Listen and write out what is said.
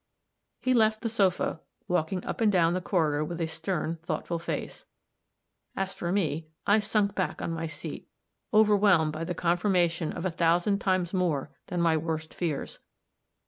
He left the sofa, walking up and down the corridor with a stern, thoughtful face. As for me, I sunk back on my seat, overwhelmed by the confirmation of a thousand times more than my worst fears.